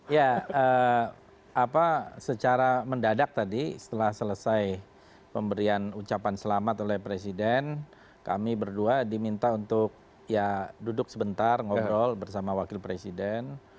ya apa secara mendadak tadi setelah selesai pemberian ucapan selamat oleh presiden kami berdua diminta untuk ya duduk sebentar ngobrol bersama wakil presiden